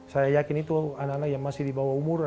saya yakin itu anak anak yang masih di bawah umur